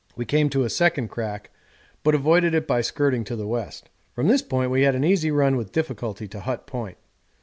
We came to a second crack, but avoided it by skirting to the west. From this point we had an easy run without difficulty to Hut Point.